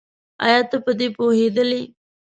ايا ته په دې پوهېدلې؟